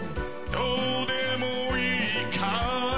どうでもいいから